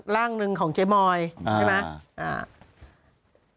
ร่างหนึ่งของเจ๊มอยใช่ไหม